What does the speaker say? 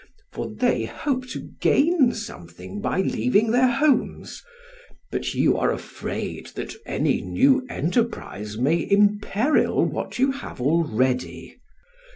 For they hope to gain something by leaving their homes; but you are afraid that any new enterprise may imperil what you have already.